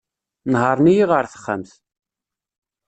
Nehren-iyi ɣer texxamt.